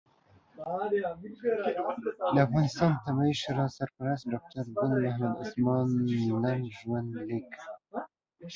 د افغانستان طبي شورا سرپرست ډاکټر ګل محمد عثمان لنډ ژوند لیک